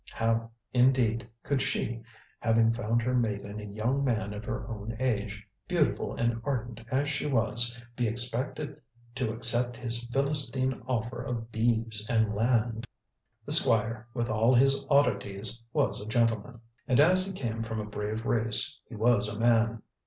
How, indeed, could she, having found her mate in a young man of her own age, beautiful and ardent as she was, be expected to accept his Philistine offer of beeves and land? The Squire, with all his oddities, was a gentleman, and as he came from a brave race he was a man.